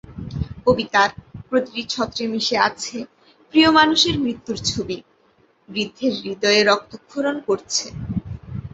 কবিতার প্রতিটি ছত্রে মিশে আছে প্রিয় মানুষের মৃত্যুর ছবি—বৃদ্ধের হূদয়ে রক্তক্ষরণ করছে।